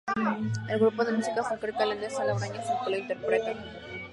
El grupo de música folclórica leonesa "La Braña" es el que lo interpreta.